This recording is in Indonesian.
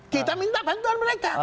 kita minta bantuan mereka